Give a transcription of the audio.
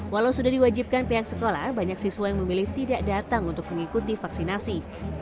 walau sudah diwajibkan pihak sekolah banyak siswa yang memilih tidak datang untuk mengikuti vaksinasi